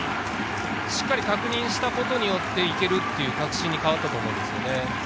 しっかり確認したことによっていけるという確信に変わったと思うんですよね。